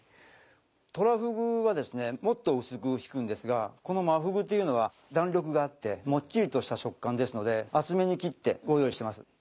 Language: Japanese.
トラフグはもっと薄く引くんですがこの真フグというのは弾力があってもっちりとした食感ですので厚めに切ってご用意してます。